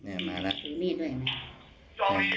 นี่มาแล้ว